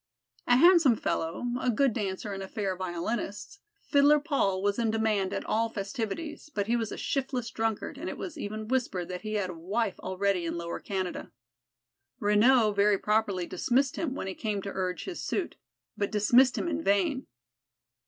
A handsome fellow, a good dancer and a fair violinist, Fiddler Paul was in demand at all festivities, but he was a shiftless drunkard and it was even whispered that he had a wife already in Lower Canada. Renaud very properly dismissed him when he came to urge his suit, but dismissed him in vain.